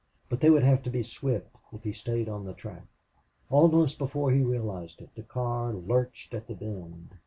But they would have to be swift, if he stayed on the track. Almost before he realized it the car lurched at the bend.